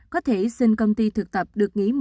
có thể xin công ty thực tập được nghỉ